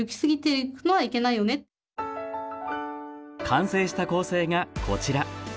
完成した構成がこちら。